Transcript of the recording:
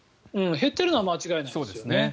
減っているのは間違いないですよね。